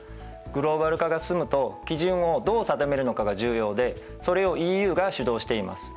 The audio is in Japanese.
グローバル化が進むと基準をどう定めるのかが重要でそれをＥＵが主導しています。